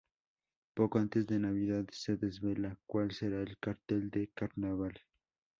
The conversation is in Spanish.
Poco antes de Navidad, se desvela cuál será el cartel del Carnaval.